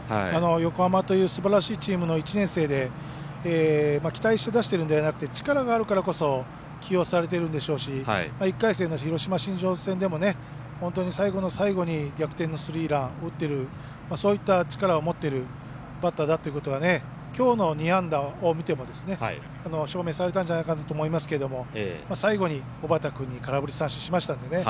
横浜というすばらしいチームの１年生で期待して出しているんではなくて力があるからこそ起用されているんでしょうし１回戦の広島新庄戦でも本当に最後の最後に逆転のスリーランを打ってるそういった力を持っているバッターだということはきょうの２安打を見ても証明されたんじゃないかと思いますけども最後に小畠君に空振り三振しましたんでね